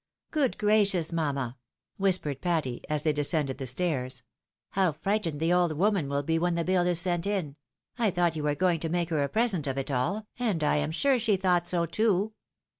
" Good gracious, mamma !" whispered Patty, as they descended the stairs, " how frightened the old woman will be when the bill is sent in ; I thought you were going to make her a present of it all, and I am sure she thought so too."